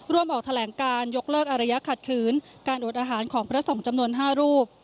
ออกแถลงการยกเลิกอารยะขัดขืนการอดอาหารของพระสงฆ์จำนวน๕รูป